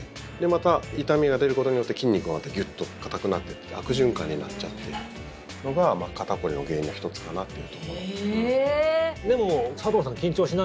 また痛みが出ることによって筋肉がまたギュッと硬くなって悪循環になっちゃってるのが肩凝りの原因の１つかなと。